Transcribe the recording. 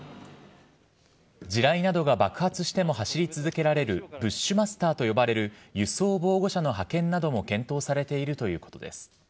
地雷などが爆発しても走り続けられるブッシュマスターと呼ばれる輸送防護車の派遣なども検討されているということです。